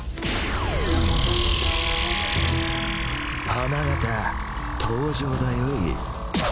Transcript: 花形登場だよい。